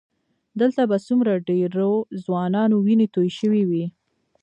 دلته به څومره ډېرو ځوانانو وینې تویې شوې وي.